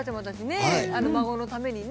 孫のためにね。